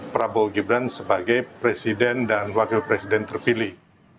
prabowo gibran sebagai presiden dan wakil presiden terpilih